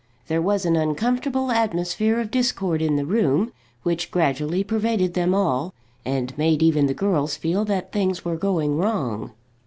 There was an uncomfortable atmosphere of discord in the room, which gradually pervaded them all, and made even the girls feel that things were going wrong.